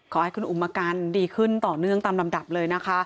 ขอให้คุณอุ๋มอาการดีขึ้นต่อเนื่องตามลำดับเลยนะคะ